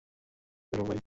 বেরও, ভাই।